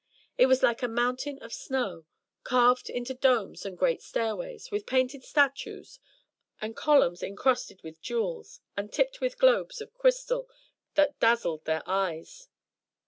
It was like a mountain of snow, carved into domes and great stairways, with painted statues, and columns encrusted with jewels, and tipped with globes of crystal that dazzled their eyes.